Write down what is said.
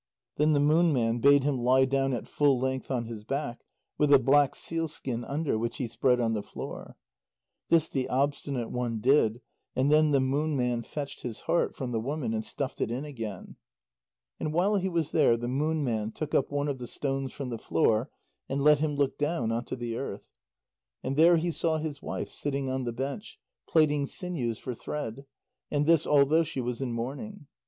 Then the Moon Man bade him lie down at full length on his back, with a black sealskin under, which he spread on the floor. This the Obstinate One did, and then the Moon Man fetched his heart from the woman and stuffed it in again. And while he was there, the Moon Man took up one of the stones from the floor, and let him look down on to the earth. And there he saw his wife sitting on the bench, plaiting sinews for thread, and this although she was in mourning.